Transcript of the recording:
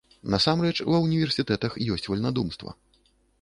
Насамрэч, ва ўніверсітэтах ёсць вальнадумства.